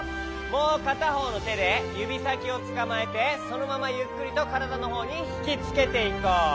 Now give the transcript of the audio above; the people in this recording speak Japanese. もうかたほうのてでゆびさきをつかまえてそのままゆっくりとからだのほうにひきつけていこう。